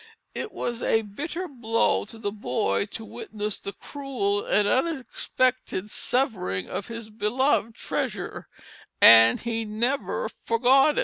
It was a bitter blow to the boy to witness the cruel and unexpected severing of his beloved treasure, and he never forgot it.